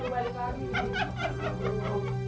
terima kasih mak